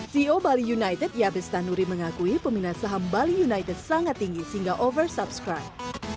ceo bali united yabes tanuri mengakui peminat saham bali united sangat tinggi sehingga oversubscribe